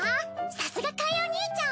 さすがカイお兄ちゃん。